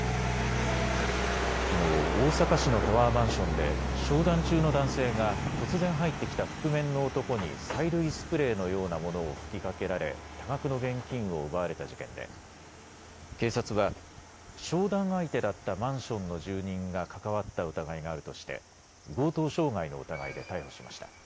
きのう大阪市のタワーマンションで商談中の男性が突然入ってきた覆面の男に催涙スプレーのようなものを吹きかけられ多額の現金を奪われた事件で警察は商談相手だったマンションの住人が関わった疑いがあるとして強盗傷害の疑いで逮捕しました。